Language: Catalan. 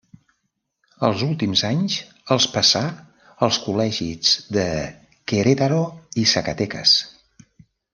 Els últims anys els passà als col·legis de Querétaro i Zacatecas.